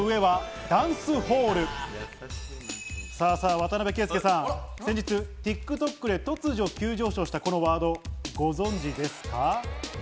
渡邊圭祐さん、先日ＴｉｋＴｏｋで突如、急上昇したこのワード、ご存じですか？